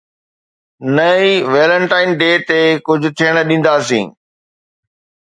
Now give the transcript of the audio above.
نه ئي Valentine day تي ڪجهه ٿيڻ ڏينداسين.